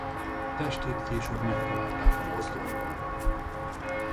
Testét később megtalálták a mozdonyban.